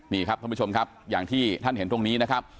นี่ครับท่านผู้ชมครับอย่างที่ท่านเห็นตรงนี้นะครับ